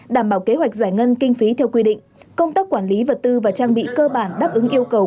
đảm bảo kế hoạch giải ngân kinh phí theo quy định công tác quản lý vật tư và trang bị cơ bản đáp ứng yêu cầu